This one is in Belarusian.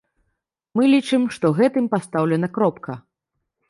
Мы лічым, што гэтым пастаўлена кропка.